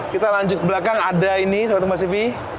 kita lanjut belakang ada ini sahabat kompastv